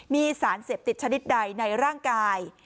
มีสารเสพติดชนิดใดในร่างกาย